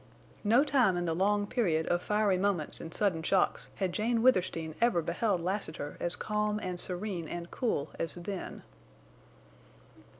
No time in the long period of fiery moments and sudden shocks had Jane Withersteen ever beheld Lassiter as calm and serene and cool as then.